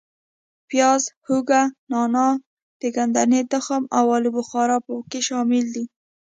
پیاز، هوګه، نانا، د ګدنې تخم او آلو بخارا په کې شامل دي.